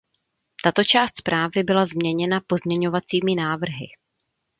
Tato část zprávy byla změněna pozměňovacími návrhy.